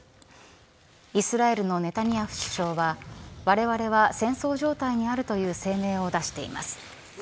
イスラエルのネタニヤフ首相はわれわれは戦争状態にあるという声明を出しています。